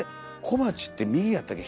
小鉢って右やったっけ？